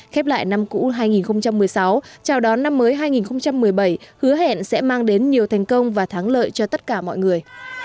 khép lại năm cũ hai nghìn một mươi sáu chào đón năm mới hai nghìn một mươi bảy hứa hẹn sẽ mang đến nhiều thành công và thắng lợi cho tất cả mọi người